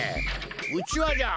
うちわじゃ。